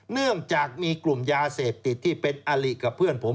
เนื่องจากมีกลุ่มยาเสพติดที่เป็นอลิกับเพื่อนผม